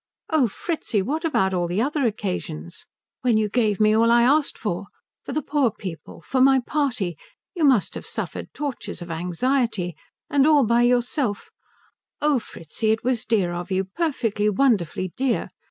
Oh Fritzi. What about all the other occasions? When you gave me all I asked for for the poor people, for my party. You must have suffered tortures of anxiety. And all by yourself. Oh Fritzi. It was dear of you perfectly, wonderfully, dear.